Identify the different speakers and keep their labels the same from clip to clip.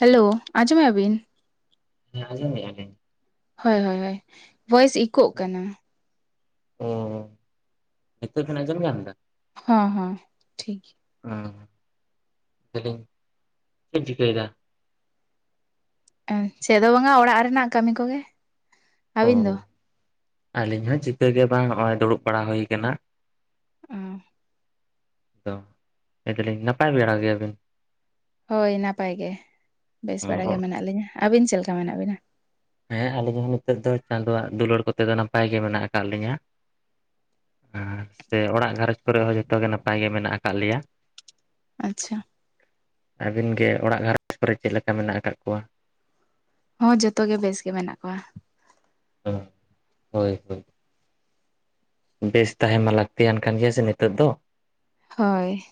Speaker 1: Hello ᱟᱸᱡᱚᱢᱮᱜ ᱟ ᱵᱤᱱ
Speaker 2: ᱦᱮᱸ ᱟᱡᱚᱢᱮᱜ ᱟ ᱞᱤᱧ
Speaker 1: ᱦᱳᱭ ᱦᱳᱭ ᱦᱳᱭ ᱨᱟ. ᱥ ᱤᱠᱳᱜ ᱠᱟᱱᱟ
Speaker 2: ᱚ ᱱᱤᱛᱚᱜ ᱵᱤᱱ ᱡᱚᱢ ᱧᱟᱢᱟ ᱫᱟ
Speaker 1: ᱦᱚᱸ ᱦᱚᱸ ᱴᱷᱤᱠ ᱜᱮ
Speaker 2: ᱚᱸ ᱞᱟ. ᱭᱫᱟ. ᱧ ᱪᱮᱫ ᱵᱤᱱ ᱪᱤᱠᱟ. ᱭ ᱫᱟ
Speaker 1: ᱪᱮᱫ ᱦᱚᱸ ᱵᱟᱝᱟ ᱚᱲᱟᱜ ᱨᱮᱱᱟᱜ ᱠᱟᱹᱢᱤ ᱠᱚ ᱜᱮ
Speaker 2: ᱚ ᱟᱹᱞᱤᱧ ᱦᱚᱸ ᱪᱤᱠᱟᱹ ᱜᱮ ᱵᱟᱝ ᱱᱚᱜᱼᱚᱭ ᱫᱩᱲᱩᱵ ᱵᱟᱲᱟ ᱦᱩᱭ ᱠᱟᱱᱟ
Speaker 1: ᱚ
Speaker 2: ᱫᱚ ᱞᱟ. ᱭ ᱫᱟᱞᱤᱧ ᱱᱟᱯᱟᱭ ᱵᱮᱲᱟ ᱜᱮᱭᱟ ᱵᱤᱱ
Speaker 1: ᱦᱳᱭ ᱱᱟᱯᱟᱭ ᱜᱮ ᱵᱮᱥ ᱵᱟᱲᱟ ᱜᱮ ᱢᱮᱱᱟᱜ ᱞᱤᱧᱟᱹ ᱟᱹᱵᱤᱱ ᱪᱮᱫ ᱞᱮᱠᱟ ᱢᱮᱱᱟᱜ ᱵᱤᱱᱟ
Speaker 2: ᱦᱮᱸ ᱟᱞᱤᱧ ᱦᱚᱸ ᱱᱤᱛᱚᱜ ᱫᱚ ᱪᱟᱸᱫᱳᱣᱟᱜ ᱫᱩᱞᱟᱹᱲ ᱠᱚᱛᱮ ᱫᱚ ᱱᱟᱯᱟᱭ ᱜᱮ ᱢᱮᱱᱟᱜ ᱟᱠᱟᱫ ᱞᱤᱧᱟᱹ ᱟᱨ ᱥᱮ ᱚᱲᱟᱜ ᱜᱷᱟᱨᱚᱸᱡᱽ ᱠᱚᱨᱮ ᱦᱚᱸ ᱡᱚᱛᱚ ᱜᱮ ᱱᱟᱯᱟᱭ ᱜᱮ ᱢᱮᱱᱟᱜ ᱟᱠᱟᱫ ᱞᱮᱭᱟ
Speaker 1: ᱟᱪᱷᱟ
Speaker 2: ᱟᱹᱵᱤᱱ ᱜᱮ ᱚᱲᱟᱜ ᱜᱷᱟᱨᱚᱸᱡᱽ ᱠᱚᱨᱮ ᱪᱮᱫ ᱞᱮᱠᱟ ᱢᱮᱱᱟᱜ ᱟᱠᱟᱫ ᱠᱚᱣᱟ
Speaker 1: ᱦᱚᱸ ᱡᱚᱛᱚ ᱜᱮ ᱵᱮᱥ ᱜᱮ ᱢᱮᱱᱟᱜ ᱠᱚᱣᱟ
Speaker 2: ᱚᱸ ᱦᱳᱭ ᱦᱳᱭ ᱵᱮᱥ ᱛᱟᱦᱮᱱ ᱢᱟ ᱞᱟᱹᱠᱛᱤᱭᱟᱱ ᱠᱟᱱ ᱜᱮᱭᱟ ᱥᱮ ᱱᱤᱛᱚᱜ ᱫᱚ
Speaker 1: ᱦᱚᱭ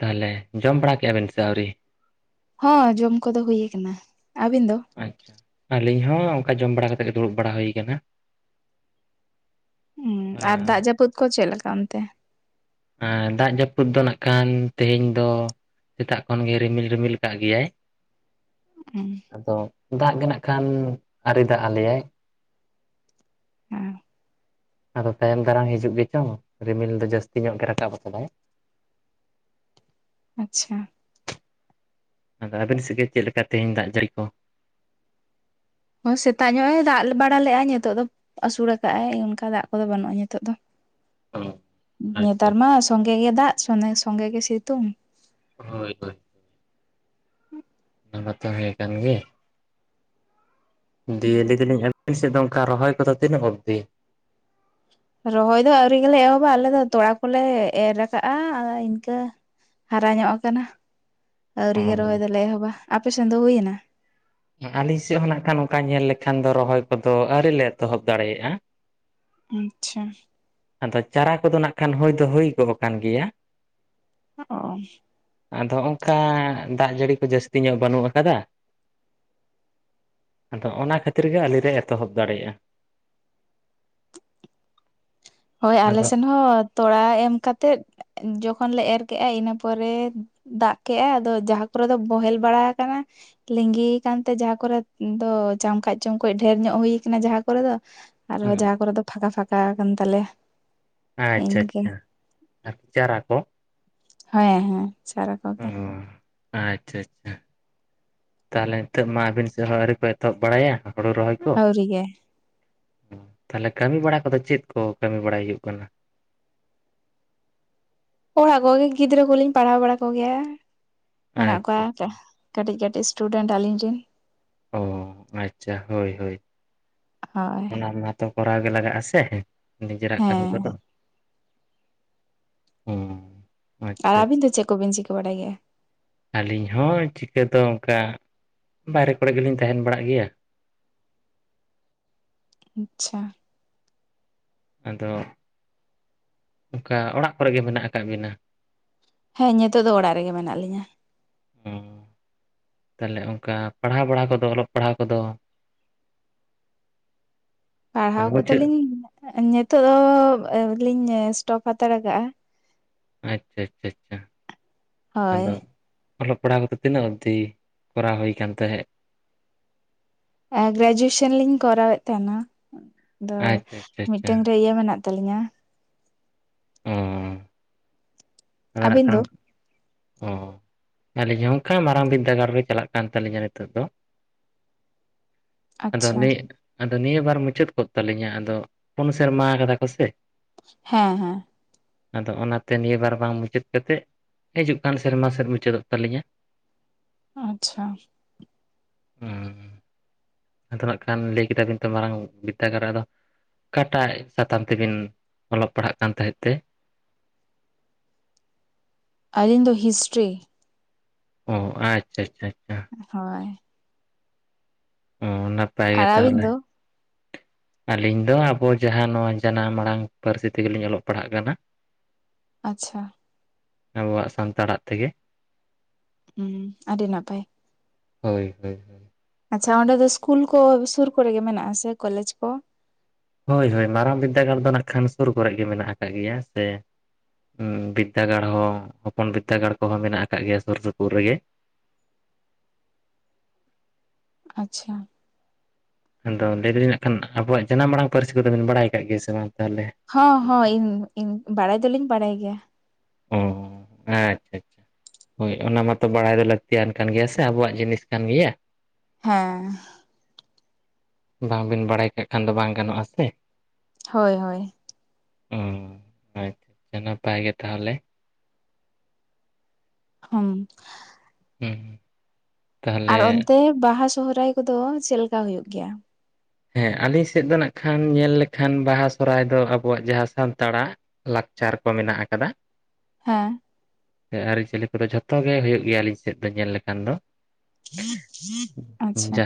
Speaker 2: ᱛᱟᱦᱚᱞᱮ ᱡᱚᱢ ᱵᱟᱲᱟ ᱠᱮᱫᱼᱟ ᱵᱮᱱ ᱥᱮ ᱟᱹᱣᱨᱤ
Speaker 1: ᱦᱚᱸ ᱡᱚᱢ ᱠᱚ ᱫᱚ ᱦᱩᱭ ᱠᱟᱱᱟ ᱟᱹᱵᱤᱱ ᱫᱚ
Speaker 2: ᱟᱪᱷᱟ ᱟᱹᱞᱤᱧ ᱦᱚᱸ ᱚᱱᱠᱟ ᱡᱚᱢ ᱵᱟᱲᱟ ᱠᱟᱛᱮ ᱜᱮ ᱫᱩᱲᱩᱵ ᱵᱟᱲᱟ ᱦᱩᱭ ᱠᱟᱱᱟ
Speaker 1: ᱩ ᱟᱨ ᱫᱟᱜ ᱡᱟᱹᱯᱩᱫ ᱠᱚ ᱪᱮᱫ ᱞᱮᱠᱟ ᱚᱱᱛᱮ?
Speaker 2: ᱮ ᱫᱟᱜ ᱡᱟᱹᱯᱩᱫ ᱫᱚ ᱱᱟᱜ ᱠᱷᱟᱱ ᱛᱮᱦᱮᱧ ᱫᱚ ᱥᱮᱛᱟᱜ ᱠᱷᱚᱱ ᱜᱮᱭ ᱨᱤᱢᱤᱞ ᱨᱤᱢᱤᱞ ᱠᱟᱜ ᱜᱮᱭᱟᱭ ᱾
Speaker 1: ᱚ
Speaker 2: ᱟᱫᱚ ᱫᱟᱜ ᱜᱮ ᱱᱟᱜ ᱠᱷᱟᱱ, ᱟᱨᱤ ᱫᱟᱜ ᱟᱞᱮᱭᱟᱭ ᱾
Speaker 1: ᱦᱮᱸ
Speaker 2: ᱟᱫᱚ ᱛᱟᱭᱚᱢ ᱫᱟᱨᱟᱢ ᱦᱤᱡᱩᱜ ᱜᱮᱪᱚᱝ, ᱨᱤᱢᱤᱞ ᱫᱚ ᱡᱟᱹᱥᱛᱤ ᱧᱚᱜ ᱜᱮ ᱨᱟᱠᱟᱵ ᱠᱟᱫᱟᱭ ᱾
Speaker 1: ᱟᱪᱪᱷᱟ᱾
Speaker 2: ᱟᱫᱚ ᱟ. ᱵᱤᱱ ᱥᱮᱫᱜᱮ ᱪᱮᱫ ᱞᱮᱠᱟ ᱛᱮᱦᱮᱧ ᱫᱟᱜ ᱡᱟᱹᱲᱤ ᱠᱚ?
Speaker 1: ᱦᱚ ᱥᱮᱛᱟᱜ ᱧᱚᱜᱼ ᱮ ᱫᱟᱜ ᱵᱟᱲᱟ ᱞᱮᱫ ᱟ ᱱᱤᱛᱚᱜ ᱫᱚ ᱟᱹᱥᱩᱲ ᱠᱟᱜᱼᱟᱭ ᱚᱱᱠᱟ ᱫᱟᱜ ᱠᱚᱫᱚ ᱵᱟᱹᱱᱩᱜᱼᱟ ᱱᱤᱛᱳᱜ ᱫᱚ ᱾
Speaker 2: ᱟᱪᱪᱷᱟ
Speaker 1: ᱱᱮᱛᱟᱨ ᱢᱟ
Speaker 2: ᱟᱪᱪᱷᱟ
Speaker 1: ᱥᱚᱸᱜᱮ ᱜᱮ ᱫᱟᱜ ᱥᱚᱸᱜᱮ ᱜᱮ ᱥᱤᱛᱩᱝ ᱾
Speaker 2: ᱦᱳᱭ ᱦᱳᱭ ᱾ ᱚᱱᱟ ᱢᱟᱛᱚ ᱦᱮᱸ ᱠᱟᱱ ᱜᱮ ᱫᱤᱭᱮ ᱞᱟᱹᱭ ᱫᱟ. ᱞᱤᱧ ᱟᱵᱤᱱ ᱥᱮᱫ ᱫᱚ ᱚᱱᱠᱟ ᱨᱚᱦᱚᱭ ᱠᱚ ᱫᱚ ᱛᱤᱱᱟᱹᱜ ᱚᱵᱽᱫᱤ
Speaker 1: ᱨᱚᱦᱚᱭ ᱫᱚ ᱟᱹᱣᱨᱤ ᱜᱮ ᱞᱮ ᱮᱦᱚᱵᱟ ᱟᱞᱮ ᱫᱚ ᱛᱚᱲᱟ ᱠᱚᱞᱮ ᱮᱨ ᱠᱟᱜᱼᱟ ᱤᱱᱠᱟᱹ ᱦᱟᱨᱟ ᱧᱚᱜ ᱟᱠᱟᱱᱟ ᱟᱹᱣᱨᱤ ᱜᱮ ᱨᱚᱦᱚᱭ ᱫᱚᱞᱮ ᱮᱦᱚᱵᱼᱟ, ᱟᱯᱮ ᱥᱮᱱ ᱫᱚ ᱦᱩᱭᱱᱟ
Speaker 2: ᱟᱞᱤᱧ ᱥᱮᱫ ᱦᱚᱸ ᱱᱟᱜ ᱠᱷᱟᱱ ᱚᱱᱠᱟ ᱧᱮᱞ ᱞᱮᱠᱷᱟᱱ ᱫᱚ ᱨᱚᱦᱚᱭ ᱠᱚᱫᱚ, ᱟᱹᱣᱨᱤᱞ ᱞᱮ ᱮᱛᱚᱦᱚᱵ ᱫᱟᱲᱮᱭᱟᱜᱼᱟ᱾
Speaker 1: ᱟᱪᱪᱷᱟ ᱾
Speaker 2: ᱟᱫᱚ ᱪᱟᱨᱟ ᱠᱚᱫᱚ ᱱᱟᱜ ᱠᱷᱟᱱ ᱦᱩᱭ ᱫᱚ ᱦᱩᱭ ᱜᱚᱜ ᱠᱟᱱ ᱞᱮᱭᱟ ᱾
Speaker 1: ᱚ
Speaker 2: ᱟᱫᱚ ᱚᱱᱠᱟ ᱫᱟᱜ ᱡᱟᱹᱲᱤ ᱠᱚ ᱡᱟᱹᱥᱛᱤ ᱧᱚᱜ ᱵᱟᱹᱱᱩᱜ ᱟᱠᱟᱫᱟ ᱾ ᱟᱫᱚ ᱚᱱᱟ ᱠᱷᱟᱹᱛᱤᱨ ᱜᱮ ᱟᱞᱤᱞᱮ ᱮᱛᱚᱦᱚᱵ ᱫᱟᱲᱮᱭᱟᱜᱼᱟ ᱾
Speaker 1: ᱦᱳᱭ ᱟᱞᱮ
Speaker 2: ᱟᱫᱚ
Speaker 1: ᱥᱮᱱ ᱦᱚᱸ ᱛᱚᱲᱟ ᱮᱢ ᱠᱟᱛᱮᱜ, ᱡᱚᱠᱷᱚᱱ ᱞᱮ ᱮᱨ ᱠᱮᱜᱼᱟ ᱤᱱᱟᱹ ᱯᱚᱨᱮ ᱾ ᱫᱟᱜ ᱠᱮᱫ ᱟᱭ ᱟᱫᱚ ᱡᱟᱦᱟᱸ ᱠᱚᱨᱮ ᱫᱚ ᱵᱚᱦᱮᱞ ᱵᱟᱲᱟ ᱟᱠᱟᱱᱟ ᱾ ᱞᱤᱸᱜᱤ ᱠᱟᱱ ᱛᱮ ᱡᱟᱦᱟᱸ ᱠᱚᱨᱮ ᱫᱚ ᱪᱟᱢᱠᱟᱡᱼᱪᱚᱢᱠᱚᱡ ᱰᱷᱮᱨ ᱧᱚᱜ ᱦᱩᱭ ᱠᱟᱱᱟ ᱡᱟᱦᱟᱸ ᱠᱚᱨᱮ ᱫᱚ ᱾ ᱟᱨᱦᱚᱸ
Speaker 2: ᱦᱩᱸ
Speaker 1: ᱡᱟᱦᱟᱸ ᱠᱚᱨᱮ ᱫᱚ ᱯᱷᱟᱸᱠᱟ ᱯᱷᱟᱠᱟ ᱠᱟᱱ ᱛᱟᱞᱮ ᱾
Speaker 2: ᱟᱪᱪᱷᱟ ᱟᱪᱪᱷᱟ ᱟᱨ ᱪᱟᱨᱟ ᱠᱚ ᱾
Speaker 1: ᱦᱮᱸ ᱦᱮᱸ ᱪᱟᱨᱟ
Speaker 2: ᱚ
Speaker 1: ᱠᱚᱜᱮ ᱾
Speaker 2: ᱟᱪᱪᱷᱟ ᱟᱪᱪᱷᱟ ᱛᱟᱦᱚᱞᱮ ᱱᱤᱛᱚᱜ ᱢᱟ ᱟᱹᱵᱤᱱ ᱥᱮᱫ ᱦᱚᱸ ᱟᱹᱣᱨᱤ ᱠᱚ ᱮᱛᱚᱦᱚᱵ ᱵᱟᱲᱟᱭᱟ ᱾ ᱦᱚᱲᱩ ᱨᱚᱦᱚᱭ ᱠᱚ ᱾
Speaker 1: ᱟᱹᱣᱨᱤ ᱜᱮ
Speaker 2: ᱛᱟᱦᱚᱞᱮ ᱠᱟᱹᱢᱤ ᱵᱟᱲᱟ ᱠᱚᱫᱚ ᱪᱮᱫ ᱠᱚ ᱠᱟᱹᱢᱤ ᱵᱟᱲᱟᱭ ᱦᱩᱭᱩᱜ ᱠᱟᱱᱟ᱾
Speaker 1: ᱚᱲᱟᱜ ᱠᱚᱜᱮ ᱜᱤᱫᱽᱨᱟᱹ ᱠᱚᱞᱤᱧ ᱯᱟᱲᱦᱟᱣ ᱵᱟᱲᱟ ᱠᱚᱜᱮᱭᱟ ᱢᱮᱱᱟᱜ
Speaker 2: ᱟᱪᱪᱷᱟ
Speaker 1: ᱠᱚᱣᱟ᱾
Speaker 2: ᱟᱪᱪᱷᱟ
Speaker 1: ᱠᱟᱹᱴᱤᱡ ᱠᱟᱹᱴᱤᱡ ᱥᱴᱩᱰᱮᱱᱴ ᱟᱹᱞᱤᱧᱤᱱ᱾
Speaker 2: ᱚ ᱟᱪᱪᱷᱟ ᱦᱳᱭ ᱦᱳᱭ
Speaker 1: ᱦᱳᱭ
Speaker 2: ᱚᱱᱟ ᱢᱟᱛᱚ ᱠᱚᱨᱟᱣ ᱜᱮ ᱞᱟᱜᱟᱜᱼᱟ ᱥᱮ᱾ ᱱᱤᱡᱮᱨᱟᱜ ᱠᱟᱹᱢᱤ
Speaker 1: ᱦᱮᱸ
Speaker 2: ᱠᱚᱫᱚ ᱦᱩᱸ᱾
Speaker 1: ᱟᱨ ᱟᱹᱵᱤᱱ ᱫᱚ ᱪᱮᱫ ᱠᱚᱵᱤᱱ ᱪᱤᱠᱟᱹ ᱵᱟᱲᱟᱭ ᱜᱮᱭᱟ᱾
Speaker 2: ᱟᱹᱞᱤᱧ ᱦᱚᱸ ᱪᱤᱠᱟᱹ ᱫᱚ ᱚᱱᱠᱟ ᱵᱟᱦᱨᱮ ᱠᱚᱨᱮ ᱜᱮᱞᱤᱧ ᱛᱟᱦᱮᱱ ᱵᱟᱲᱟᱜ ᱜᱮᱭᱟ᱾
Speaker 1: ᱟᱪᱪᱷᱟ᱾
Speaker 2: ᱟᱫᱚ ᱚᱱᱠᱟ ᱚᱲᱟᱜ ᱠᱚᱨᱮ ᱜᱮ ᱢᱮᱱᱟᱜ ᱟᱠᱟᱫ ᱵᱤᱱᱟ᱾
Speaker 1: ᱦᱮᱸ ᱱᱤᱛᱳᱜ ᱫᱚ ᱚᱲᱟᱜ ᱨᱮᱜᱮ ᱢᱮᱱᱟᱜ ᱞᱤᱧᱟᱹ᱾
Speaker 2: ᱛᱟᱦᱚᱞᱮ ᱚᱱᱠᱟ ᱯᱟᱲᱦᱟᱣ ᱵᱟᱲᱟ ᱠᱚᱫᱚ ᱚᱞᱚᱜ ᱯᱟᱲᱦᱟᱣ ᱠᱚᱫᱚ!
Speaker 1: [unintelligible] ᱯᱟᱲᱦᱟᱣ
Speaker 2: ᱢᱟᱱᱮ ᱢᱩᱪᱟᱹᱫ
Speaker 1: ᱠᱚᱫᱚᱞᱤᱧ ᱱᱤᱛᱚᱜ ᱫᱚ ᱞᱤᱧ ᱥᱴᱚᱯ ᱦᱟᱛᱟᱲᱟᱜᱟᱜᱼᱟ᱾
Speaker 2: ᱟᱪᱪᱷᱟ ᱟᱪᱪᱷᱟ ᱟᱪᱪᱷᱟ
Speaker 1: ᱦᱳᱭ
Speaker 2: ᱟᱫᱚ᱾ ᱚᱞᱚᱜ ᱯᱟᱲᱦᱟᱣ ᱠᱚᱫ ᱛᱤᱱᱟᱹᱜ ᱚᱵᱫᱤ ᱠᱚᱨᱟᱣ ᱦᱩᱭᱠᱟᱱ ᱛᱟᱦᱮᱸᱫ᱾
Speaker 1: ᱜᱨᱟᱡᱩᱭᱮᱥᱚᱱ ᱞᱤᱧ ᱠᱚᱨᱟᱣᱮᱫ ᱛᱟᱦᱮᱱᱟ ᱟᱫᱚ
Speaker 2: ᱟᱪᱪᱷᱟ ᱟᱪᱪᱷᱟ ᱟᱪᱪᱷᱟ
Speaker 1: ᱢᱤᱫᱴᱟᱝ ᱨᱮ ᱤᱭᱟᱹ ᱢᱮᱱᱟᱜ ᱾ ᱛᱟᱞᱞᱤᱧᱟ᱾
Speaker 2: ᱚ
Speaker 1: ᱟᱹᱵᱤᱱ ᱫᱚ
Speaker 2: [unintelligible] ᱚ ᱟᱹᱞᱤᱧ ᱱᱚᱝᱠᱟ ᱢᱟᱨᱟᱝ ᱵᱤᱫᱽᱫᱟᱹᱜᱟᱲ ᱨᱮ ᱪᱟᱞᱟᱜ ᱠᱟᱱ ᱛᱟᱹᱟᱞᱞᱤᱧᱟ ᱱᱤᱛᱚᱜ ᱫᱚ᱾
Speaker 1: [inaudible]
Speaker 2: ᱟᱫᱚ ᱱᱤᱭᱟᱹ ᱟᱫᱚ ᱱᱤᱭᱟᱹ ᱵᱟᱨ ᱢᱩᱪᱟᱹᱫ ᱠᱚᱜ ᱛᱟᱞᱤᱧᱟ ᱟᱫᱚ ᱯᱩᱱ ᱥᱮᱨᱢᱟ ᱠᱟᱫᱟ ᱠᱚᱥᱮ᱾
Speaker 1: ᱦᱮᱸ ᱦᱮᱸ᱾
Speaker 2: ᱟᱫᱚ ᱚᱱᱟᱛᱮ ᱱᱤᱭᱟᱹ ᱵᱟᱨ ᱵᱟᱝ ᱢᱩᱪᱟᱹᱫ ᱠᱟᱛᱮᱫ ᱦᱤᱡᱩᱜ ᱠᱟᱱ ᱥᱮᱨᱢᱟ ᱥᱮᱫ ᱢᱩᱪᱟᱹᱫᱚᱜ ᱛᱟᱹᱞᱤᱧᱟ
Speaker 1: ᱟᱪᱪᱷᱟ
Speaker 2: ᱦᱩᱸ ᱟᱫᱚ ᱱᱟᱜ ᱠᱷᱟᱱ ᱞᱟᱹᱭ ᱠᱮᱫᱟᱵᱤᱱ ᱛᱚ ᱢᱟᱲᱟᱝ ᱵᱤᱨᱫᱟᱹᱜᱟᱲ ᱨᱮ ᱟᱫᱚ ᱚᱠᱟᱴᱟᱜ ᱥᱟᱛᱟᱢ ᱛᱮ ᱵᱤᱱ ᱚᱞᱚᱜ ᱯᱟᱲᱦᱟᱜ ᱠᱟᱱ ᱛᱟᱦᱮᱸᱫ ᱛᱮ
Speaker 1: ᱟᱹᱞᱤᱧ ᱫᱚ ᱦᱤᱥᱴᱨᱤ
Speaker 2: ᱦᱚᱸ ᱟᱪᱪᱷᱟ ᱟᱪᱪᱷᱟ ᱟᱪᱪᱷᱟ
Speaker 1: ᱦᱳᱭ
Speaker 2: ᱦᱚᱸ ᱱᱟᱯᱟᱭ
Speaker 1: ᱟᱨ
Speaker 2: ᱜᱮ
Speaker 1: ᱟᱹᱵᱤᱱ
Speaker 2: ᱛᱟᱦᱚᱞᱮ
Speaker 1: ᱫᱚ
Speaker 2: ᱟᱹᱞᱤᱧ ᱫᱚ ᱟᱵᱚ ᱡᱟᱦᱟᱸ ᱱᱚᱣᱟ ᱡᱟᱱᱟᱢ ᱟᱲᱟᱝ ᱯᱟᱹᱨᱥᱤ ᱛᱮᱜᱮᱞᱤᱧ ᱚᱞᱚᱜ ᱯᱟᱲᱦᱟᱜ ᱠᱟᱱᱟ᱾
Speaker 1: ᱟᱪᱪᱷᱟ
Speaker 2: ᱟᱵᱚᱣᱟᱜ ᱥᱟᱱᱛᱟᱲᱟᱜ ᱛᱮᱜᱮ
Speaker 1: ᱦᱩᱸ ᱟᱹᱰᱤ ᱱᱟᱯᱟᱭ
Speaker 2: ᱦᱳᱭ ᱦᱳᱭ
Speaker 1: ᱟᱪᱪᱷᱟ ᱚᱸᱰᱮ ᱫᱚ ᱤᱥᱠᱩᱞ ᱠᱚ ᱥᱩᱨ ᱠᱚᱨᱮ ᱜᱮ ᱢᱮᱱᱟᱜᱼᱟ ᱥᱮ ᱠᱚᱞᱮᱡᱽ ᱠᱚ
Speaker 2: ᱦᱳᱭ ᱦᱳᱭ ᱢᱟᱨᱟᱝ ᱵᱤᱨᱫᱟᱹᱜᱟᱲ ᱫᱚ ᱱᱟᱜ ᱠᱷᱟᱱ ᱥᱩᱨ ᱠᱚᱨᱮ ᱜᱮ ᱢᱮᱱᱟᱜ ᱟᱠᱟᱫ ᱜᱮᱭᱟ ᱥᱮ ᱵᱤᱨᱫᱟᱹᱜᱟᱲ ᱦᱚᱸ ᱦᱚᱯᱚᱱ ᱵᱤᱨᱫᱟᱹᱜᱟᱲ ᱠᱚᱦᱚᱸ ᱢᱮᱱᱟᱜ ᱟᱠᱟᱫ ᱜᱮᱭᱟ ᱥᱩᱨ ᱥᱩᱯᱩᱨ ᱨᱮᱜᱮ
Speaker 1: ᱟᱪᱪᱷᱟ
Speaker 2: ᱟᱫᱚ ᱞᱟᱹᱭᱮᱫᱟᱞᱞᱤᱧ ᱱᱟᱜ ᱠᱷᱟᱱ ᱟᱵᱚᱣᱟᱜ ᱡᱟᱱᱟᱢ ᱟᱲᱟᱝ ᱯᱟᱹᱨᱥᱤ ᱠᱚᱫᱚ ᱵᱤᱱ ᱵᱟᱲᱟᱭ ᱟᱠᱟᱫᱟᱜ ᱜᱮᱭᱟ ᱥᱮ ᱵᱟᱝ ᱜᱮ ᱛᱟᱦᱚᱞᱮ
Speaker 1: ᱦᱚᱸ ᱦᱚᱸ ᱤᱧ ᱵᱟᱲᱟᱭ ᱫᱚᱞᱤᱧ ᱵᱟᱲᱟᱭ ᱜᱮᱭᱟ
Speaker 2: ᱚ ᱟᱪᱪᱷᱟ ᱟᱪᱪᱷᱟ ᱦᱳᱭ ᱚᱱᱟ ᱢᱟᱛᱚ ᱵᱟᱲᱟᱭ ᱫᱚ ᱞᱟᱹᱠᱛᱤᱭᱟᱱ ᱠᱟᱱ ᱜᱮᱭᱟ ᱥᱮ ᱟᱵᱚᱣᱟᱜ ᱡᱤᱱᱤᱥ ᱠᱟᱱ ᱜᱮᱭᱟ
Speaker 1: ᱦᱮᱸ
Speaker 2: ᱵᱟᱝ ᱵᱤᱱ ᱵᱟᱲᱟᱭ ᱠᱟᱜ ᱠᱷᱟᱱ ᱫᱚ ᱵᱟᱝ ᱜᱟᱱᱚᱜᱼᱟ ᱥᱮ
Speaker 1: ᱦᱚᱭ- ᱦᱚᱭ
Speaker 2: ᱦᱚᱸ ᱟᱪᱷᱟ ᱱᱟᱯᱟᱭ ᱜᱮ ᱛᱟᱦᱚᱞᱮ
Speaker 1: ᱦᱩᱸ
Speaker 2: ᱦᱮᱸᱸ
Speaker 1: ᱟᱨ ᱚᱱᱛᱮ ᱵᱟᱦᱟ ᱥᱚᱦᱨᱟᱭ ᱠᱚᱫᱚ ᱪᱮᱫ ᱞᱮᱠᱟ ᱦᱩᱭᱩᱜ ᱜᱮᱭᱟ
Speaker 2: ᱦᱮᱸ ᱟᱹᱞᱤᱧ ᱥᱮᱫ ᱫᱚ ᱱᱟᱜ ᱠᱷᱟᱱ ᱧᱮᱞ ᱞᱮᱠᱷᱟᱱ ᱵᱟᱦᱟ ᱥᱚᱦᱚᱨᱟᱭ ᱫᱚ ᱟᱵᱚᱣᱟᱜ ᱡᱟᱦᱟᱸ ᱥᱟᱱᱛᱟᱲᱟᱜ ᱞᱟᱠᱪᱟᱨ ᱠᱚ ᱢᱮᱱᱟᱜ ᱟᱠᱟᱫᱟ᱾
Speaker 1: ᱦᱮᱸ
Speaker 2: ᱟᱹᱨᱤᱪᱟᱹᱞᱤ ᱠᱚᱫᱚ ᱡᱷᱚᱛᱚ ᱜᱮ ᱦᱩᱭᱩᱜ ᱜᱮᱭᱟ ᱟᱹᱞᱤᱧ ᱥᱮᱫ ᱫᱚ ᱧᱮᱞ ᱞᱮᱠᱷᱟᱱ ᱫᱚ
Speaker 1: ᱟᱪᱪᱷᱟ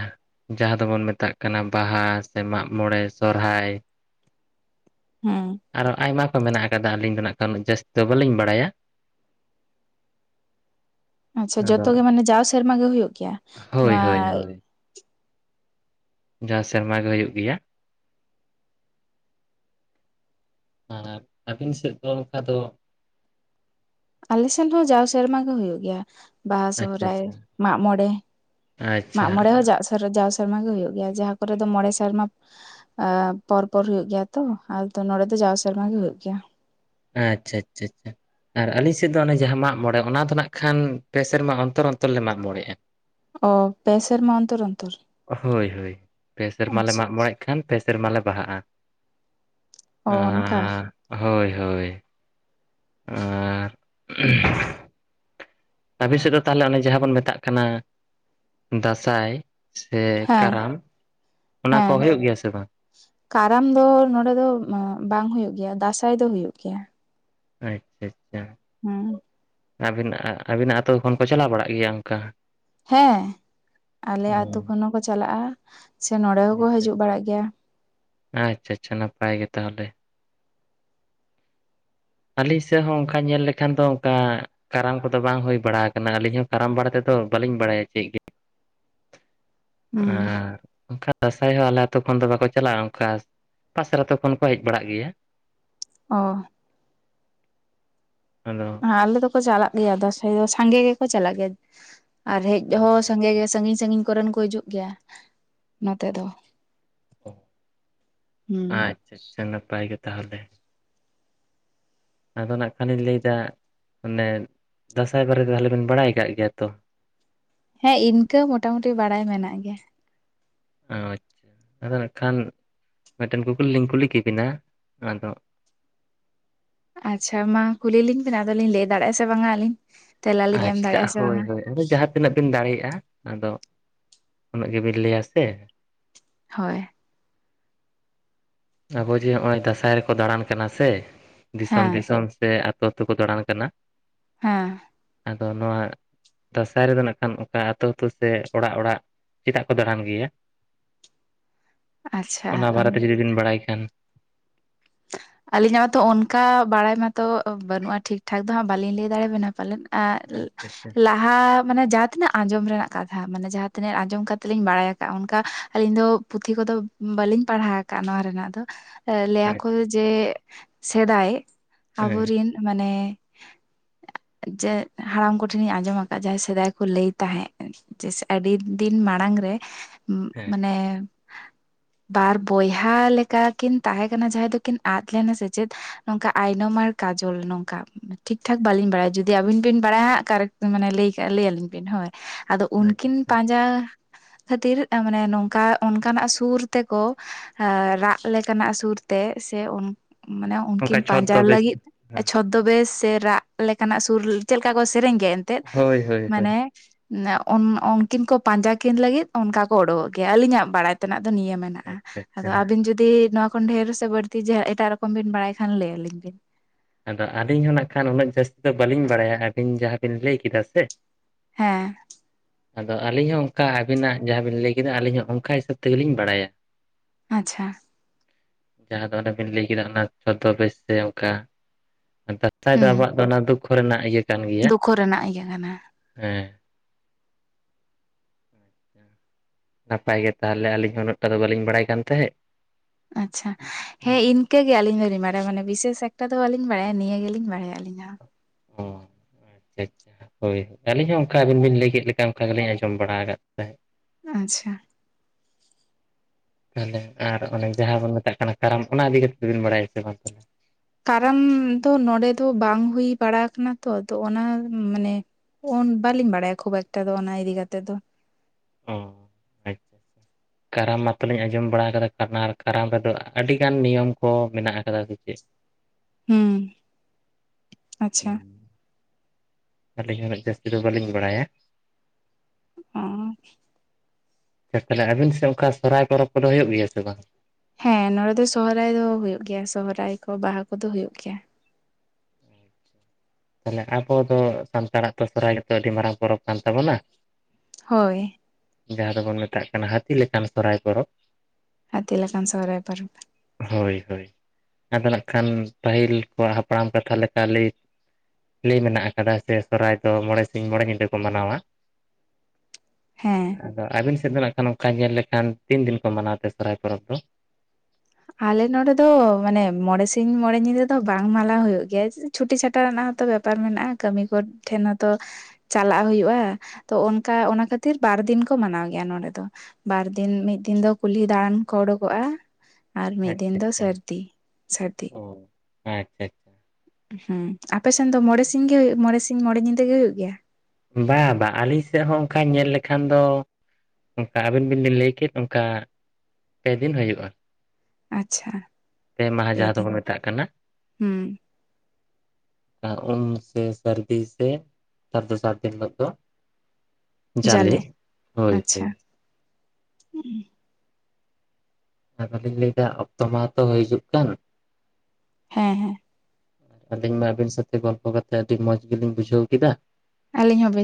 Speaker 2: ᱡᱟᱦᱟᱸ ᱫᱚᱵᱚᱱ ᱢᱮᱛᱟᱜ ᱠᱟᱱᱟ ᱵᱟᱦᱟ ᱥᱮ ᱢᱟᱜ ᱢᱚᱬᱮ ᱥᱚᱦᱨᱟᱭ
Speaker 1: ᱦᱚᱸ
Speaker 2: ᱟᱨᱦᱚᱸ ᱟᱭᱢᱟ ᱠᱚ ᱢᱮᱱᱟᱜ ᱟᱠᱟᱫᱟ ᱟᱹᱞᱤᱧ ᱫᱚ ᱱᱟᱜ ᱩᱱᱟᱹᱜ ᱡᱟᱹᱥᱛᱤ ᱫᱚ ᱵᱟᱹᱞᱤᱧ ᱵᱟᱲᱟᱭᱟ᱾
Speaker 1: ᱟᱪᱷᱟ ᱡᱚᱛᱚ ᱜᱮ ᱢᱟᱱᱮ ᱡᱟᱣ ᱥᱮᱨᱢᱟ ᱜᱮ ᱦᱩᱭᱩᱜ ᱜᱮᱭᱟ᱾ ᱱᱚᱣᱟ
Speaker 2: ᱦᱚᱭ-ᱦᱚᱭ, ᱦᱚᱭ ᱡᱟᱶ ᱥᱮᱨᱢᱟ ᱜᱮ ᱦᱩᱭᱩᱜ ᱜᱮᱭᱟ᱾ ᱟᱨ ᱟᱹᱵᱤᱱ ᱥᱮᱫ ᱫᱚ ᱚᱱᱠᱟ ᱫᱚ
Speaker 1: ᱟᱞᱮ ᱥᱮᱱ ᱦᱚᱸ ᱡᱟᱣ ᱥᱮᱨᱢᱟ ᱜᱮ ᱦᱩᱭᱩᱜ ᱜᱮᱭᱟ᱾ ᱵᱟᱦᱟ
Speaker 2: ᱟᱪᱪᱷᱟ
Speaker 1: ᱥᱚᱦᱨᱟᱭ
Speaker 2: ᱟᱪᱪᱷᱟ
Speaker 1: ᱢᱟᱜ ᱢᱚᱬᱮ, ᱢᱟᱜ
Speaker 2: ᱟᱪᱪᱷᱟ
Speaker 1: ᱢᱚᱬᱮ ᱦᱚᱸ ᱡᱟᱣ ᱥᱮᱨᱢᱟ ᱜᱮ ᱦᱩᱭᱩᱜ ᱜᱮᱭᱟ ᱡᱟᱦᱟᱸ ᱠᱚᱨᱮ ᱫᱚ ᱢᱚᱬᱮ ᱥᱮᱨᱢᱟ ᱟ ᱯᱚᱨ-ᱯᱚᱨ ᱦᱩᱭᱩᱜ ᱜᱮᱭᱟ ᱛᱚ ᱟᱨ ᱱᱚᱰᱮ ᱫᱚ ᱡᱟᱣ ᱥᱮᱨᱢᱟ ᱜᱮ ᱦᱩᱭᱩᱜ ᱜᱮᱭᱟ᱾
Speaker 2: ᱟᱪᱷᱟ-ᱟᱪᱷᱟ, ᱟᱪᱷᱟ ᱟᱨ ᱟᱹᱞᱤᱧ ᱥᱮᱫ ᱫᱚ ᱚᱱᱮ ᱡᱟᱦᱟᱸ ᱢᱟᱜ ᱢᱚᱬᱮ ᱚᱱᱟ ᱫᱚ ᱱᱟᱜ ᱠᱷᱟᱱ ᱯᱮ ᱥᱮᱨᱢᱟ ᱚᱱᱛᱚᱨ- ᱚᱱᱛᱚᱨ ᱞᱮ ᱢᱟᱜ ᱢᱚᱬᱮᱜᱼᱟ
Speaker 1: ᱚ ᱯᱮ ᱥᱮᱨᱢᱟ ᱚᱱᱛᱚᱨ ᱚᱱᱛᱚᱨ
Speaker 2: ᱦᱳᱭ ᱦᱳᱭ ᱯᱮ ᱥᱮᱨᱢᱟ ᱞᱮ
Speaker 1: ᱟᱪᱪᱷᱟ
Speaker 2: ᱢᱟᱜ ᱢᱚᱲᱮᱭᱮᱫ ᱠᱟᱱ ᱠᱷᱟᱱ ᱯᱮ ᱥᱮᱨᱢᱟᱟᱞᱮ ᱵᱟᱦᱟᱜᱼᱟ᱾
Speaker 1: ᱚ ᱚᱱᱠᱟ
Speaker 2: ᱦᱚᱭ- ᱦᱚᱭ ᱟᱨ ᱟᱹᱵᱤᱱ ᱥᱮᱫ ᱫᱚ ᱛᱟᱦᱚᱞᱮ ᱚᱱᱮ ᱡᱟᱦᱟᱸ ᱵᱚᱱ ᱢᱮᱛᱟᱜ ᱠᱟᱱᱟ ᱫᱟᱸᱥᱟᱭ ᱥᱮ
Speaker 1: ᱦᱮᱸ
Speaker 2: ᱠᱟᱨᱟᱢ ᱚᱱᱟ ᱠᱚ
Speaker 1: ᱦᱮᱸ
Speaker 2: ᱦᱩᱭᱩᱜ ᱜᱮᱭᱟ ᱥᱮ ᱵᱟᱝ
Speaker 1: ᱠᱟᱨᱟᱢ ᱫᱚ ᱱᱚᱰᱮ ᱫᱚ ᱵᱟᱝ ᱦᱩᱭᱩᱜ ᱜᱮᱭᱟ ᱫᱟᱸᱥᱟᱭ ᱫᱚ ᱦᱩᱭᱩᱜ ᱜᱮᱭᱟ᱿
Speaker 2: ᱟᱪᱷᱟ-ᱟᱪᱷᱟ
Speaker 1: ᱦᱩᱸ
Speaker 2: ᱟᱹᱵᱤᱱ-ᱟᱹᱵᱤᱱᱟᱜ ᱟᱹᱛᱩ ᱠᱷᱚᱱ ᱠᱚ ᱪᱟᱞᱟᱣ ᱵᱟᱲᱟᱜ ᱜᱮᱭᱟ ᱚᱱᱠᱟ
Speaker 1: ᱦᱮᱸ ᱟᱞᱮ ᱟᱛᱩ
Speaker 2: ᱦᱩᱸ
Speaker 1: ᱠᱷᱚᱱ ᱦᱚᱸᱠᱚ ᱪᱟᱞᱟᱜᱼᱟ ᱥᱮ ᱱᱚᱰᱮ ᱦᱚᱸᱠᱚ ᱦᱤᱡᱩᱜ ᱵᱟᱲᱟᱜ ᱜᱮᱭᱟ᱾
Speaker 2: ᱟᱪᱷᱟ-ᱟᱪᱷᱟ ᱱᱟᱯᱟᱭ ᱜᱮ ᱛᱟᱦᱚᱞᱮ ᱟᱹᱞᱤᱧ ᱥᱮᱫ ᱦᱚᱸ ᱚᱱᱠᱟ ᱧᱮᱞ ᱞᱮᱠᱷᱟᱱ ᱫᱚ ᱚᱱᱠᱟ ᱠᱟᱨᱟᱢ ᱠᱚᱫᱚ ᱵᱟᱝ ᱦᱩᱭ ᱵᱟᱲᱟ ᱟᱠᱟᱱᱟ ᱟᱹᱞᱤᱧ ᱦᱚᱸ ᱠᱟᱨᱟᱢ ᱵᱟᱨᱮ ᱛᱮᱫᱚ ᱵᱟᱹᱞᱤᱧ ᱵᱟᱲᱟᱭᱟ ᱪᱮᱫ ᱜᱮ
Speaker 1: ᱪᱮᱫ ᱦᱚᱸ ᱵᱟᱝ ᱟᱸᱡᱚᱢᱚᱜ ᱠᱟᱱᱟ
Speaker 2: ᱦᱮᱸ ᱫᱟᱥᱟᱭ ᱦᱚᱸ ᱟᱞᱮ ᱟᱹᱛᱩ ᱠᱷᱚᱱ ᱫᱚ ᱵᱟᱠᱚ ᱪᱟᱞᱟᱜᱼᱟ ᱚᱱᱠᱟ ᱯᱟᱥᱮᱨ ᱟᱛᱩ ᱠᱷᱚᱱ ᱠᱚ ᱦᱮᱡ ᱵᱟᱲᱟᱜ ᱜᱮᱭᱟ᱿
Speaker 1: ᱚ
Speaker 2: [unintelligible]
Speaker 1: ᱟᱞᱮ ᱫᱚᱠᱚ ᱪᱟᱞᱟᱜ ᱜᱮᱭᱟ ᱫᱟᱸᱥᱟᱭ ᱫᱚ ᱥᱟᱸᱜᱮ ᱜᱮᱠᱚ ᱪᱟᱞᱟᱜ ᱜᱮᱭᱟ᱿ ᱟᱨ ᱦᱮᱡ ᱦᱚᱸ
Speaker 2: ᱟᱪᱪᱷᱟ
Speaker 1: ᱥᱚᱸᱜᱮ
Speaker 2: ᱟᱪᱪᱷᱟ ᱟᱪᱪᱷᱟ
Speaker 1: ᱥᱟᱺᱜᱤᱧ-, ᱥᱟᱺᱜᱤᱧ ᱠᱚᱨᱮᱱ ᱠᱚ ᱦᱤᱡᱩᱜ ᱜᱮᱭᱟ ᱱᱚᱛᱮ ᱫᱚ᱾ ᱦᱩᱸ
Speaker 2: ᱟᱪᱷᱟ-ᱟᱪᱷᱟ ᱱᱟᱯᱟᱭ ᱜᱮ ᱛᱟᱦᱚᱞᱮ᱾ ᱟᱫᱚ ᱱᱟᱜ ᱠᱷᱟᱹᱱᱤᱧ ᱞᱟᱹᱭᱮᱫᱟ ᱚᱱᱮ ᱫᱟᱸᱥᱟᱭ ᱵᱟᱨᱮᱛᱮ ᱛᱟᱦᱚᱞᱮ ᱵᱮᱱ ᱵᱟᱲᱟᱭ ᱟᱠᱟᱜ ᱜᱮᱭᱟ ᱛᱚ
Speaker 1: ᱦᱮᱸ ᱤᱱᱠᱟᱹ ᱢᱚᱴᱟ-ᱢᱩᱴᱤ ᱵᱟᱲᱟᱭ ᱢᱮᱱᱟᱜ ᱜᱮᱭᱟ᱾
Speaker 2: ᱟᱪᱷᱟ ᱟᱫᱚ ᱱᱟᱜ ᱠᱷᱟᱱ ᱢᱤᱫᱴᱮᱱ ᱠᱩᱠᱞᱤ ᱞᱤᱧ ᱠᱩᱞᱤ ᱠᱮᱵᱤᱱᱟ ᱟᱫᱚ
Speaker 1: ᱟᱪᱪᱷᱟ ᱢᱟ ᱠᱩᱞᱤ ᱞᱤᱧ ᱵᱮᱱ ᱟᱫᱚᱞᱤᱧ ᱞᱟᱹᱭ ᱫᱟᱲᱮᱭᱟᱜᱼᱟ ᱥᱮ ᱵᱟᱝᱟ ᱟᱹᱞᱤᱧ ᱛᱮᱞᱟ ᱞᱤᱧ ᱮᱢ ᱫᱟᱲᱮᱭᱟᱜᱼᱟ
Speaker 2: ᱟᱪᱪᱷᱟ
Speaker 1: ᱥᱮ
Speaker 2: ᱦᱳᱭ
Speaker 1: ᱵᱟᱝᱟ
Speaker 2: ᱦᱳᱭ ᱟᱫᱚ ᱡᱟᱦᱟᱸ ᱛᱤᱱᱟᱹᱜ ᱵᱤᱱ ᱫᱟᱲᱮᱭᱟᱜᱼᱟ ᱟᱫᱚ ᱩᱱᱟᱹᱜ ᱜᱮᱵᱤᱱ ᱞᱟᱹᱭᱟ ᱥᱮ᱾
Speaker 1: ᱦᱳᱭ
Speaker 2: ᱟᱵᱚ ᱡᱮ ᱱᱚᱜᱼᱚᱭ ᱫᱟᱸᱥᱟᱭ ᱨᱮᱠᱚ ᱫᱟᱬᱟᱱ ᱠᱟᱱᱟ ᱥᱮ ᱫᱤᱥᱚᱢ
Speaker 1: ᱦᱮᱸ
Speaker 2: ᱫᱤᱥᱚᱢ᱾ ᱥᱮ ᱟᱛᱳ ᱟᱛᱳ ᱠᱚ ᱫᱟᱬᱟᱱ ᱠᱟᱱᱟ᱾
Speaker 1: ᱦᱮᱸ
Speaker 2: ᱟᱫᱚ ᱱᱚᱣᱟ ᱫᱟᱸᱥᱟᱭ ᱨᱮᱫᱚ ᱱᱟᱜᱠᱷᱟᱱ ᱚᱱᱠᱟ ᱟᱹᱛᱩ ᱟᱹᱛᱩ ᱥᱮ ᱚᱲᱟᱜ ᱚᱲᱟᱜ ᱪᱮᱫᱟᱜ ᱠᱚ ᱫᱟᱬᱟᱱ ᱜᱮᱭᱟ᱾᱾
Speaker 1: [inaudible] ᱟᱪᱪᱷᱟ
Speaker 2: [inaudible] ᱚᱱᱟ ᱵᱟᱨᱮᱛᱮ ᱡᱩᱫᱤ ᱵᱤᱱ ᱵᱟᱲᱟᱭ ᱠᱷᱟᱱ
Speaker 1: [unintelligible] ᱟᱹᱞᱤᱧᱟᱜ ᱢᱟᱛᱚ ᱚᱱᱠᱟ ᱵᱟᱲᱟᱭ ᱢᱟᱛᱚ ᱵᱟᱹᱱᱩᱜᱼᱟ ᱴᱷᱤᱠᱼᱴᱷᱟᱠ ᱫᱚ ᱦᱟᱸᱜ ᱵᱟᱹᱞᱤᱧ ᱞᱟᱹᱭ ᱫᱟᱲᱮᱭᱟᱵᱮᱱᱟ ᱯᱟᱞᱮᱫ
Speaker 2: ᱟᱪᱪᱷᱟ ᱟᱪᱪᱷᱟ
Speaker 1: [unintelligible] ᱞᱟᱦᱟᱸ ᱢᱟᱱᱮ ᱡᱟᱦᱟᱸ ᱛᱤᱱᱟᱹᱜ ᱟᱸᱡᱚᱢ ᱨᱮᱱᱟ ᱠᱟᱛᱷᱟ ᱢᱟᱱᱮ ᱡᱟᱦᱟ ᱛᱤᱱᱟᱹᱜ ᱟᱸᱡᱚᱢ ᱠᱟᱛᱮ ᱞᱤᱧ ᱵᱟᱲᱟᱭ ᱟᱠᱟᱫᱼᱟ ᱚᱱᱠᱟ ᱟᱞᱤᱧ ᱫᱚ ᱯᱩᱛᱷᱤ ᱠᱚᱫᱚ ᱵᱟᱞᱤᱧ ᱯᱟᱲᱦᱟᱣ ᱠᱟᱜᱼᱟ ᱱᱚᱣᱟ ᱨᱮᱱᱟᱜ ᱫᱚ ᱠᱚ
Speaker 2: ᱟᱪᱪᱷᱟ
Speaker 1: ᱡᱮ ᱥᱮᱫᱟᱭ ᱟᱵᱚᱨ
Speaker 2: ᱦᱮᱸ
Speaker 1: ᱨᱤᱱ ᱢᱟᱱᱮ ᱡᱮ ᱦᱟᱲᱟᱢ ᱠᱚᱴᱷᱮᱱᱤᱧ ᱟᱸᱡᱚᱢ ᱟᱠᱟᱫ ᱡᱟᱦᱟᱸ ᱥᱮᱫᱟᱭ ᱠᱚ ᱞᱟᱹᱭ ᱛᱟᱦᱮᱸᱫ᱾ ᱡᱮᱥᱮ ᱟᱹᱰᱤ ᱫᱤᱱ ᱢᱟᱲᱟᱝ ᱨᱮ
Speaker 2: ᱟᱪᱪᱷᱟ
Speaker 1: ᱢᱟᱱᱮ ᱵᱟᱨ ᱵᱚᱭᱦᱟ ᱞᱮᱠᱟ ᱠᱤᱱ ᱛᱟᱦᱮᱸ ᱠᱟᱱᱟ ᱡᱟᱦᱟᱸ ᱫᱚ ᱡᱮ ᱠᱤᱱ ᱟᱫ ᱞᱮᱱᱟ ᱥᱮ ᱪᱮᱫ ᱱᱚᱝᱠᱟ ᱟᱭᱱᱚᱢ ᱟᱨ ᱠᱟᱡᱚᱞ ᱱᱚᱝᱠᱟ᱾ ᱴᱷᱤᱠ ᱴᱷᱟᱠ ᱵᱟᱹᱞᱤᱧ ᱵᱟᱲᱟᱭ ᱡᱩᱫᱤ ᱟᱹᱵᱤᱱ ᱵᱤᱱ ᱵᱟᱲᱟᱭ ᱦᱟᱸᱜ ᱠᱟᱨᱮᱴ ᱢᱟᱱᱮ ᱞᱟᱹᱭ ᱞᱟᱹᱭ ᱟᱹᱞᱤᱧ ᱵᱤᱱ ᱦᱳᱭ᱾ ᱟᱫᱚ ᱩᱱᱠᱤᱱ
Speaker 2: ᱟᱪᱪᱷᱟ
Speaker 1: ᱯᱟᱸᱡᱟ ᱠᱷᱟᱹᱛᱤᱨ ᱢᱟᱱᱮ ᱱᱚᱝᱠᱟ ᱚᱱᱠᱟᱱᱟᱜ ᱥᱩᱨ ᱛᱮᱠᱚ ᱨᱟᱜ ᱞᱮᱠᱟᱱᱟᱜ ᱥᱩᱨᱛᱮ ᱥᱮ ᱚᱱ ᱢᱟᱱᱮ
Speaker 2: ᱚᱱᱠᱟ
Speaker 1: ᱩᱱᱠᱤᱱ
Speaker 2: ᱪᱷᱚᱛ
Speaker 1: ᱯᱟᱸᱡᱟ
Speaker 2: ᱫᱚ ᱵᱮᱥ
Speaker 1: ᱞᱟᱹᱜᱤᱫ ᱪᱷᱚᱛ ᱛᱚᱵᱮ ᱥᱮ ᱨᱟᱜ ᱞᱮᱠᱟᱱᱟᱜ ᱥᱩᱨ ᱪᱮᱫ ᱞᱮᱠᱟ ᱠᱚ ᱥᱮᱨᱮᱧ ᱜᱮ ᱮᱱᱛᱮᱫ
Speaker 2: ᱦᱳᱭ ᱦᱳᱭ ᱦᱳᱭ
Speaker 1: ᱢᱟᱱᱮ ᱚᱱᱟ ᱚᱱ ᱚᱱ ᱩᱱᱠᱤᱱ ᱠᱚ ᱯᱟᱸᱡᱟ ᱠᱤᱱ ᱞᱟᱹᱜᱤᱫ ᱚᱱᱠᱟ ᱠᱚ ᱩᱰᱩᱠᱚᱜ ᱜᱮᱭᱟ ᱟᱹᱞᱤᱧᱟᱜ ᱵᱟᱲᱟᱭ ᱛᱮᱱᱟᱜ ᱫᱚ ᱱᱤᱭᱟᱹ ᱢᱮᱱᱟᱜᱼᱼ ᱢᱮᱱᱟᱜᱼᱟ
Speaker 2: ᱟᱪᱪᱷᱟ
Speaker 1: ᱟᱫᱚ
Speaker 2: ᱟᱪᱪᱷᱟ
Speaker 1: ᱟᱹᱵᱤᱱ ᱡᱩᱫᱤ ᱱᱚᱣᱟ ᱠᱷᱚᱱ ᱰᱷᱮᱨ ᱥᱮ ᱵᱟᱹᱲᱛᱤ ᱮᱴᱟᱜ ᱨᱚᱠᱚᱢ ᱵᱤᱱ ᱵᱟᱲᱟᱭ ᱠᱷᱟᱱ ᱞᱟᱹᱭ ᱟᱹᱞᱤᱧ ᱵᱤᱱ
Speaker 2: ᱟᱫᱚ ᱟᱹᱞᱤᱧ ᱦᱚᱸ ᱱᱟᱜ ᱠᱷᱟᱱ ᱩᱱᱟᱹᱜ ᱡᱟᱹᱥᱛᱤ ᱫᱚ ᱵᱟᱹᱞᱤᱧ ᱵᱟᱲᱟᱭᱟ ᱟᱹᱵᱤᱱ ᱡᱟᱦᱟᱸ ᱵᱤᱱ ᱞᱟᱹᱭ ᱠᱮᱫᱟ ᱥᱮ
Speaker 1: ᱦᱮᱸ
Speaker 2: ᱟᱫᱚ ᱟᱹᱞᱤᱧ ᱦᱚᱸ ᱚᱱᱠᱟ ᱟᱵᱤᱱᱟᱜ ᱡᱟᱦᱟᱸ ᱵᱤᱱ ᱞᱟᱹᱭ ᱠᱮᱫᱟ ᱟᱹᱞᱤᱧ ᱦᱚᱸ ᱚᱱᱠᱟ ᱦᱤᱥᱟᱹᱵᱽ ᱛᱮᱜᱮᱞᱤᱧ ᱵᱟᱲᱟᱭᱟ
Speaker 1: ᱟᱪᱪᱷᱟ
Speaker 2: ᱡᱟᱦᱟᱸ ᱫᱚ ᱚᱸᱰᱮ ᱵᱤᱱ ᱞᱟᱹᱭ ᱠᱮᱫᱟ ᱚᱱᱟ ᱫᱚ [unintelligible] ᱵᱮᱥ ᱛᱮ ᱚᱱᱠᱟ ᱫᱟᱸᱥᱟᱭ ᱫᱚ
Speaker 1: ᱦᱩᱸ
Speaker 2: ᱟᱵᱚᱣᱟᱜ ᱫᱚ ᱚᱱᱟ ᱫᱩᱠ ᱠᱚ ᱨᱮᱱᱟᱜ ᱤᱭᱟᱹ ᱠᱟᱱ ᱜᱮᱭᱟ
Speaker 1: ᱫᱩᱠᱷᱚ ᱨᱮᱱᱟᱜ ᱤᱭᱟᱹ ᱠᱟᱱᱟ
Speaker 2: ᱦᱮᱸ ᱱᱟᱯᱟᱭ ᱜᱮ ᱛᱟᱦᱚᱞᱮ ᱟᱹᱞᱤᱧ ᱦᱚᱸ ᱩᱱᱟᱹᱜ ᱴᱟ ᱫᱚ ᱵᱟᱹᱞᱤᱧ ᱵᱟᱲᱟᱭ ᱠᱟᱱ ᱛᱟᱦᱮᱸᱫ᱾
Speaker 1: ᱟᱪᱪᱷᱟ ᱦᱮᱸ ᱤᱧ ᱤᱱᱠᱟᱹ ᱜᱮ ᱟᱹᱞᱤᱧ ᱫᱚᱞᱤᱧ ᱵᱟᱲᱟ ᱢᱟᱱᱮ ᱵᱤᱥᱮᱥᱠᱴᱟ ᱫᱚ ᱟᱹᱞᱤᱧ ᱵᱟᱲᱟᱭᱟ ᱱᱤᱭᱟᱹ ᱜᱮᱞᱤᱧ ᱵᱟᱲᱟᱭᱟ ᱟᱹᱞᱤᱧᱟᱜ᱿ [inaudible]
Speaker 2: [unintelligible] ᱟᱪᱷᱟ ᱦᱳᱭ ᱟᱹᱞᱤᱧ ᱦᱚᱸᱚᱸ ᱚᱱᱠᱟ ᱟᱵᱤᱱᱵᱤᱱ ᱞᱟᱹᱭ ᱠᱮᱫ ᱞᱮᱠᱟ ᱚᱱᱠᱟ ᱜᱮᱞᱤᱧ ᱟᱸᱡᱚᱢ ᱵᱟᱲᱟ ᱟᱠᱟᱫ ᱛᱟᱦᱮᱸᱫ᱾
Speaker 1: ᱟᱪᱪᱷᱟ
Speaker 2: ᱛᱟᱦᱚᱞᱮ ᱟᱨ ᱚᱱᱮ ᱡᱟᱦᱟᱸ ᱵᱚᱱ ᱢᱮᱛᱟᱜ ᱠᱟᱱᱟ ᱠᱟᱨᱟᱢ ᱚᱱᱟ ᱤᱫᱤ ᱠᱟᱛᱮᱜ ᱫᱚᱵᱤᱱ ᱵᱟᱲᱟᱭ ᱥᱮ ᱵᱟᱝ ᱛᱟᱦᱚᱞᱮ?
Speaker 1: ᱠᱟᱨᱟᱢ ᱫᱚ ᱱᱚᱰᱮ ᱫᱚ ᱵᱟᱝ ᱦᱩᱭ ᱵᱟᱲᱟ ᱟᱠᱟᱱᱟ ᱛᱚ ᱟᱫᱚ ᱚᱱᱟ ᱢᱟᱱᱮ ᱩᱱᱵᱟᱹᱞᱤᱧ ᱵᱟᱲᱟᱭᱟ ᱠᱷᱩᱵ ᱮᱠᱴᱟ ᱫᱚ ᱚᱱᱟ ᱤᱫᱤ ᱠᱟᱛᱮᱜ ᱫᱚ
Speaker 2: ᱚ ᱟᱪᱪᱷᱟ
Speaker 1: [inaudible]
Speaker 2: ᱠᱟᱨᱟᱢ ᱢᱟᱛᱚᱞᱤᱧ ᱟᱸᱡᱚᱢ ᱵᱟᱲᱟ ᱠᱟᱱᱟᱨ ᱠᱟᱨᱟᱢ ᱨᱮᱫᱚ ᱟᱹᱰᱤᱜᱟᱱ ᱱᱤᱭᱚᱢ ᱠᱚ ᱢᱮᱱᱟᱜ ᱟᱠᱟᱫᱟ ᱥᱮ ᱪᱮᱫ
Speaker 1: ᱦᱩᱸ ᱟᱪᱪᱷᱟ
Speaker 2: ᱦᱩᱸ᱾ ᱟᱹᱞᱤᱧ ᱦᱚᱸ ᱩᱱᱚᱜ ᱡᱟᱹᱥᱛᱤ ᱫᱚ ᱵᱟᱹᱞᱤᱧ ᱵᱟᱲᱟᱭᱟ
Speaker 1: [unintelligible]
Speaker 2: ᱛᱟᱦᱚᱞᱮ ᱟᱵᱤᱱ ᱥᱮ ᱚᱱᱠᱟ ᱥᱚᱨᱚᱨᱟᱭ ᱯᱚᱨᱚᱵᱽ ᱠᱚᱫᱚ ᱦᱩᱭᱩᱜ ᱜᱮᱭᱟ ᱥᱮ ᱵᱟᱝ?
Speaker 1: ᱦᱮᱸ ᱱᱚᱰᱮ ᱫᱚ ᱥᱚᱦᱚᱨᱟᱭ ᱫᱚ ᱦᱩᱭᱩᱜ ᱜᱮᱭᱟ ᱥᱚᱦᱚᱨᱟᱭ ᱠᱚ ᱵᱟᱦᱟ ᱠᱚᱫᱚ ᱦᱩᱭᱩᱜ ᱜᱮᱭᱟ ᱾
Speaker 2: ᱛᱟᱦᱚᱞᱮ ᱟᱵᱚ ᱫᱚ ᱥᱟᱱᱛᱟᱲᱟᱜ ᱫᱚ ᱥᱚᱨᱦᱟᱭ ᱫᱚ ᱟᱹᱰᱤ ᱢᱟᱨᱟᱝ ᱯᱚᱨᱚᱵᱽ ᱠᱟᱱ ᱛᱟᱵᱚᱱᱟ ᱾
Speaker 1: ᱦᱳᱭ
Speaker 2: ᱡᱟᱦᱟᱸ ᱫᱚᱵᱚᱱ ᱢᱮᱛᱟᱜ ᱠᱟᱱᱟ ᱦᱟᱹᱛᱤ ᱞᱮᱠᱟᱱ ᱥᱚᱨᱦᱟᱭ ᱯᱚᱨᱚᱵᱽ ᱾
Speaker 1: ᱦᱟᱹᱛᱤ ᱞᱮᱠᱷᱟᱱ ᱥᱚᱨᱦᱟᱭ ᱯᱚᱨᱚᱵ
Speaker 2: ᱦᱳᱭ ᱦᱳᱭ ᱟᱫᱚ ᱱᱟᱜ ᱠᱷᱟᱱ ᱯᱟᱹᱦᱤᱞ ᱠᱚᱣᱟᱜ ᱦᱟᱯᱲᱟᱢ ᱠᱟᱛᱷᱟ ᱞᱮᱠᱟ ᱞᱟᱹᱭ ᱞᱟᱹᱭ ᱢᱮᱱᱟᱜ ᱟᱠᱟᱫᱟ ᱥᱮ ᱥᱚᱨᱦᱟᱭ ᱫᱚ ᱢᱚᱬᱮ ᱥᱤᱧ ᱢᱚᱬᱮ ᱧᱤᱫᱟᱹ ᱠᱚ ᱢᱟᱱᱟᱣᱟ ᱾
Speaker 1: ᱦᱮᱸ
Speaker 2: ᱟᱫᱚ ᱟᱹᱵᱤᱱ ᱥᱮᱫ ᱫᱚ ᱱᱟᱜ ᱠᱷᱟᱱ ᱚᱱᱠᱟ ᱧᱮᱞ ᱞᱮᱠᱷᱟᱱ ᱛᱤᱱ ᱫᱤᱱ ᱠᱚ ᱢᱟᱱᱟᱣ ᱛᱮ ᱥᱚᱨᱦᱟᱭ ᱯᱚᱨᱚᱵᱽ ᱫᱚ?
Speaker 1: ᱟᱞᱮ ᱱᱚᱰᱮ ᱫᱚ ᱢᱟᱱᱮ ᱢᱚᱬᱮ ᱥᱤᱧ ᱢᱚᱬᱮ ᱧᱤᱫᱟᱹ ᱫᱚ ᱵᱟᱝ ᱢᱟᱞᱟ ᱦᱩᱭᱩᱜ ᱜᱮᱭᱟ ᱥᱮ ᱪᱷᱩᱴᱤ ᱪᱷᱟᱴᱟᱣ ᱨᱮᱱᱟᱜ ᱦᱚᱸᱛᱚ ᱵᱮᱯᱟᱨ ᱢᱮᱱᱟᱜᱼᱟ ᱠᱟᱹᱢᱤ ᱠᱚ ᱴᱷᱮᱱ ᱦᱚᱸᱛᱚ ᱪᱟᱞᱟᱜ ᱦᱩᱭᱩᱜᱼᱟ ᱛᱚ ᱚᱱᱠᱟ ᱚᱱᱟ ᱠᱷᱟᱹᱛᱤᱨ ᱵᱟᱨ ᱫᱤᱱ ᱠᱚ ᱢᱟᱱᱟᱣ ᱜᱮᱭᱟ ᱱᱚᱰᱮ ᱫᱚ ᱾ ᱵᱟᱨᱫᱤᱱ ᱢᱤᱫ ᱫᱤᱱ ᱫᱚ ᱠᱩᱞᱦᱤ ᱫᱟᱬᱟᱱ ᱠᱚ ᱩᱰᱩᱠᱚᱜᱼᱟ ᱟᱨ ᱢᱤᱫ ᱫᱤᱱ
Speaker 2: ᱟᱪᱪᱷᱟ
Speaker 1: ᱫᱚ
Speaker 2: ᱟᱪᱪᱷᱟ
Speaker 1: ᱥᱟᱹᱨᱫᱤ ᱥᱟᱹᱨᱫᱤ
Speaker 2: ᱚ ᱟᱪᱪᱷᱟ ᱟᱪᱷᱟ
Speaker 1: ᱦᱩᱸ ᱟᱯᱮ ᱥᱮᱱ ᱫᱚ ᱢᱚᱬᱮ ᱥᱤᱧᱝ ᱜᱮ ᱢᱚᱬᱮ ᱥᱤᱧ ᱢᱚᱬᱮ ᱧᱤᱫᱟᱹ ᱜᱮ ᱦᱩᱭᱩᱜ ᱜᱮᱭᱟ?
Speaker 2: ᱵᱟ ᱵᱟ ᱟᱹᱞᱤᱧ ᱥᱮ ᱦᱚᱸ ᱚᱱᱠᱟ ᱧᱮᱞ ᱞᱮᱠᱷᱟᱱ ᱫᱚ ᱚᱱᱠᱟ ᱟᱹᱵᱤᱱ ᱵᱤᱱ ᱞᱟᱹᱭ ᱠᱮᱫ ᱚᱱᱠᱟ ᱯᱮ ᱫᱤᱱ ᱦᱩᱭᱩᱜᱼᱟ
Speaker 1: ᱟᱪᱪᱷᱟ
Speaker 2: ᱾ ᱯᱮ ᱢᱟᱦᱟ ᱡᱟᱦᱟᱸ ᱫᱚᱵᱚᱱ ᱢᱮᱛᱟᱜ ᱠᱟᱱᱟ
Speaker 1: ᱦᱩᱸ
Speaker 2: ᱾ ᱩᱢ ᱥᱮ ᱥᱟᱹᱨᱫᱤ ᱥᱮ ᱟᱨ ᱫᱚᱥᱟᱨ ᱫᱤᱱ ᱦᱤᱞᱳᱜ ᱫᱚ ᱡᱟᱞᱤ ᱦᱳᱭ ᱦᱳᱭ
Speaker 1: ᱦᱩᱸ
Speaker 2: ᱟᱫᱚ ᱞᱤᱧ ᱞᱟᱹᱭ ᱫᱟ ᱚᱠᱛᱚ ᱢᱟ ᱛᱚ ᱦᱩᱭ ᱦᱤᱡᱩᱜ ᱠᱟᱱ
Speaker 1: ᱦᱮᱸ ᱦᱮᱸ
Speaker 2: ᱟᱞᱤᱧ ᱢᱟ ᱟᱹᱵᱤᱱ ᱥᱟᱶᱛᱮ ᱜᱚᱞᱯᱚ ᱠᱟᱛᱮᱜ ᱟᱹᱰᱤ ᱢᱚᱸᱡᱽ ᱜᱮᱞᱤᱧ ᱵᱩᱡᱷᱣ ᱠᱮᱫᱟ ᱾
Speaker 1: ᱟᱹᱞᱤᱧ ᱦᱚᱸᱵᱤᱱ